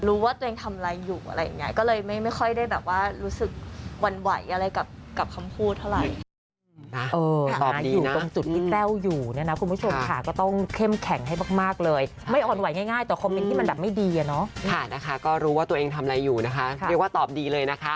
รู้ว่าตัวเองทำอะไรอยู่อะไรอย่างนี้ก็เลยไม่ค่อยได้แบบว่ารู้สึกหวั่นไหวอะไรกับคำพูดเท่าไหร่